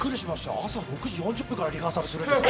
朝６時４０分からリハーサルするんですね。